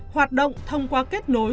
hoạt động thông qua kết nối